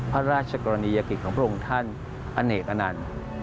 พระราชกรณียกิจของพระองค์ท่านอเนกอนันต์